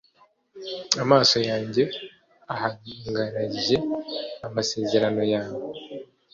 amaso yanjye ahangarije amasezerano yawe